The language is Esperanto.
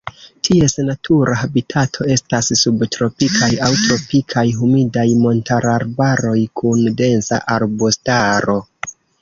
Ties natura habitato estas subtropikaj aŭ tropikaj humidaj montararbaroj kun densa arbustaro.